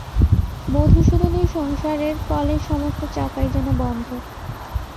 মধুসূদনের সংসারের কলের সমস্ত চাকাই যেন বন্ধ।